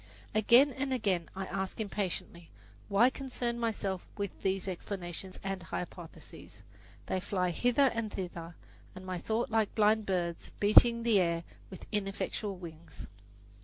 Again and again I ask impatiently, "Why concern myself with these explanations and hypotheses?" They fly hither and thither in my thought like blind birds beating the air with ineffectual wings.